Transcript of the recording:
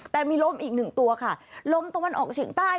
แต่มีลมอีกหนึ่งตัวค่ะลมตะวันออกเฉียงใต้